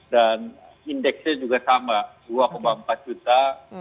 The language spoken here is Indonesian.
dan indeksnya juga sama dua empat juta